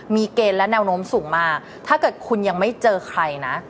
มีเกณฑ์และแนวโน้มสูงมากถ้าเกิดคุณยังไม่เจอใครนะ